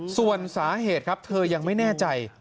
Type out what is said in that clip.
ส่วนสาเหตุครับเธอยังไม่แน่ใจ